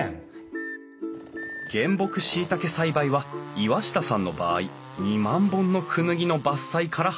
原木しいたけ栽培は岩下さんの場合２万本のクヌギの伐採から始まる。